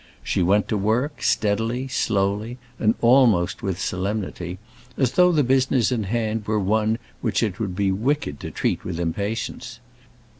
She went to work steadily, slowly, and almost with solemnity, as though the business in hand were one which it would be wicked to treat with impatience.